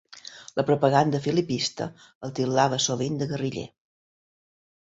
La propaganda filipista el titllava sovint de guerriller.